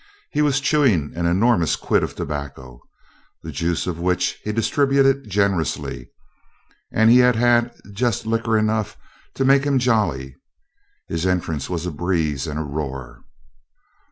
He was chewing an enormous quid of tobacco, the juice of which he distributed generously, and had had just liquor enough to make him jolly. His entrance was a breeze and a roar.